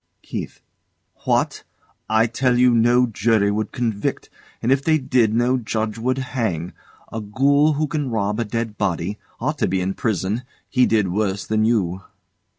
KEITH. What! I tell you no jury would convict; and if they did, no judge would hang. A ghoul who can rob a dead body, ought to be in prison. He did worse than you.